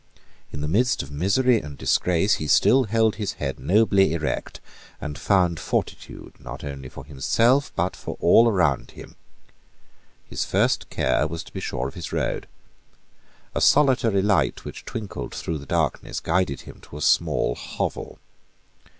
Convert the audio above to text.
In the midst of misery and disgrace, he still held his head nobly erect, and found fortitude, not only for himself; but for all around him. His first care was to be sure of his road. A solitary light which twinkled through the darkness guided him to a small hovel.